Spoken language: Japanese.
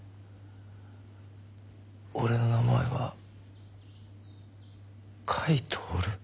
俺の名前は甲斐享？